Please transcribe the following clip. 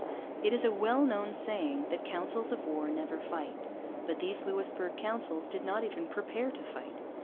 It is a well known saying that councils of war never fight. But these Louisbourg councils did not even prepare to fight.